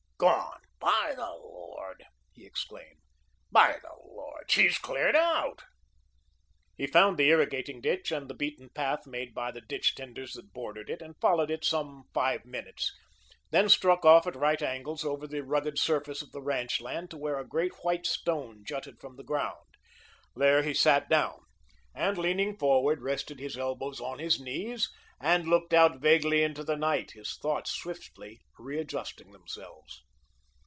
"Gone, by the Lord," he exclaimed. "By the Lord, she's cleared out." He found the irrigating ditch, and the beaten path made by the ditch tenders that bordered it, and followed it some five minutes; then struck off at right angles over the rugged surface of the ranch land, to where a great white stone jutted from the ground. There he sat down, and leaning forward, rested his elbows on his knees, and looked out vaguely into the night, his thoughts swiftly readjusting themselves.